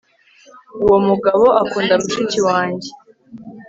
uwo mugabo akunda mushiki wanjye